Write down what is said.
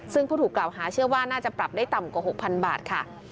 ซึ่งผู้ถูกกล่าวหาเชื่อว่าน่าจะปรับได้ต่ำกว่า๖๐๐๐บาทค่ะ